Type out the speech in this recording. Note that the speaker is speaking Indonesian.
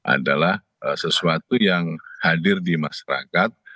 adalah sesuatu yang hadir di masyarakat